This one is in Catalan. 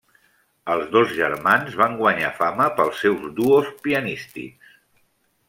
Els dos germans van guanyar fama pels seus duos pianístics.